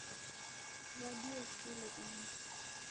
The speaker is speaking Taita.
Siwadie sile ingi